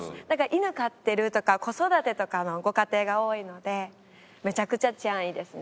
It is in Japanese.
犬飼ってるとか子育てとかのご家庭が多いのでめちゃくちゃ治安いいですね。